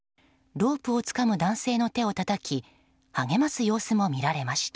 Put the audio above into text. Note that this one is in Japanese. ロープをつかむ男性の手をたたき励ます様子も見られました。